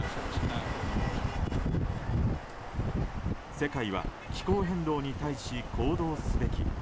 世界は気候変動に対し行動すべき。